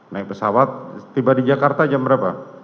naik pesawat tiba di jakarta jam berapa